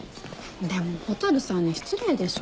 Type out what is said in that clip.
でも蛍さんに失礼でしょ。